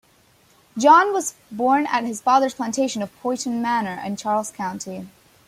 John was born at his father's plantation of "Poynton Manor" in Charles County.